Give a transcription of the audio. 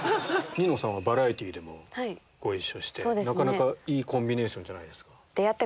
ニノさんはバラエティーでもご一緒してなかなかいいコンビネーションじゃないですか？